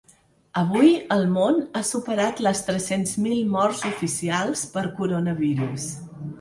Avui el món ha superat les tres-cents mil morts oficials per coronavirus.